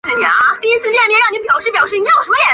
凯撒在高卢战记一书中描述了阿莱西亚之战。